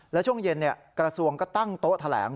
แล้วช่วงเย็นกระทรวงก็ตั้งโต๊ะแถลง